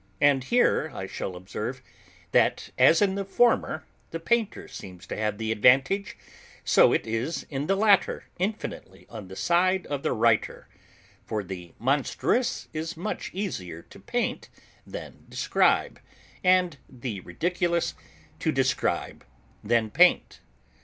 And here I shall observe, that, as in the former the painter seems to have the advantage; so it is in the latter infinitely on the side of the writer; for the Monstrous is much easier to paint than describe, and the Ridiculous to describe than paint.